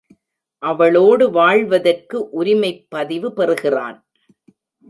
அவளோடு வாழ்வதற்கு உரிமைப் பதிவு பெறுகிறான்.